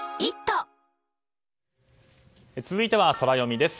続いてはソラよみです。